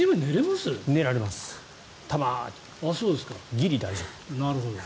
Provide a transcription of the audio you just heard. ギリ大丈夫。